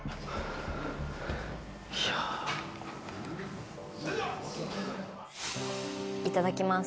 いやーいただきます